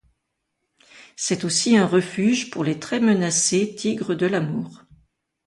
C'est aussi un refuge pour les très menacés tigres de l'Amour.